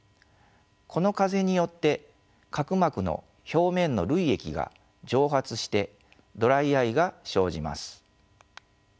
この風によって角膜の表面の涙液が蒸発してドライアイが生じます。